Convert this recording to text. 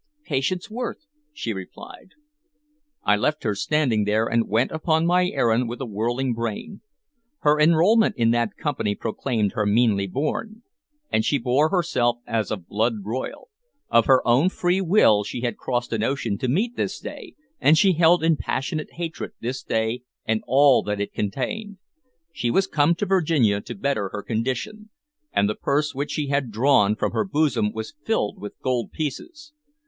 "Patience Worth," she replied. I left her standing there, and went upon my errand with a whirling brain. Her enrollment in that company proclaimed her meanly born, and she bore herself as of blood royal; of her own free will she had crossed an ocean to meet this day, and she held in passionate hatred this day and all that it contained; she was come to Virginia to better her condition, and the purse which she had drawn from her bosom was filled with gold pieces.